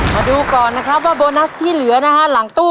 มาดูก่อนนะครับว่าโบนัสที่เหลือนะฮะหลังตู้